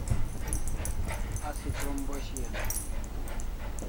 Asi krom bo shian e?